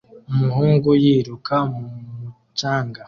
Umuhungu yiruka mu mucanga